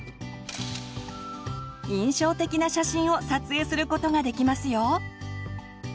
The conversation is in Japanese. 印象的な写真を撮影することができますよ！